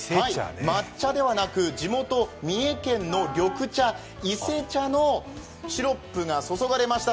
抹茶ではなく、地元・三重県の緑茶、伊勢茶のシロップが注がれました。